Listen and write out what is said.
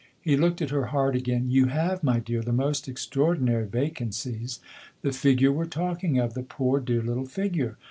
He looked at her hard again. " You have, my dear, the most extraordinary vacancies. The figure , we're talking of the poor, dear little figure.